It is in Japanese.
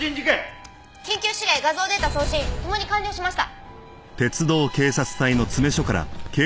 緊急指令画像データ送信共に完了しました。